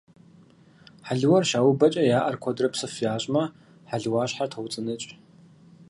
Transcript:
Хьэлыуэр щаубэкӀэ я Ӏэр куэдрэ псыф ящӀмэ, хьэлыуащхьэр тоуцӀы-ныкӀ.